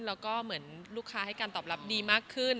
แล้วก็เหมือนลูกค้าให้การตอบรับดีมากขึ้น